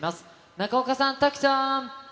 中岡さん、滝さん。